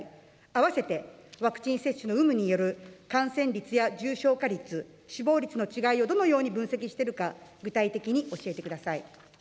合わせてワクチン接種の有無による感染率や重症化率、死亡率の違いをどのように分析しているか、具体的に教えてください。